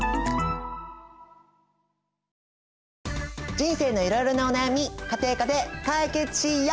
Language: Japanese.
人生のいろいろなお悩み家庭科で解決しよう！